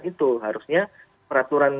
itu harusnya peraturan